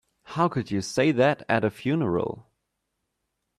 How could you say that at the funeral?